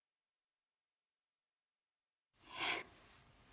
えっ。